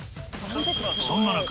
［そんな中］